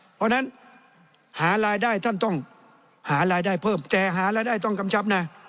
เพราะฉะนั้นหารายได้ท่านต้องหารายได้เพิ่มแต่หารายได้ต้องกำชับนะ